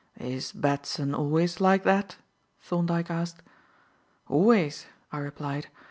"Is Batson always like that?" Thorndyke asked. "Always," I replied.